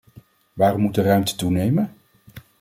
Waarom moet de ruimte toenemen?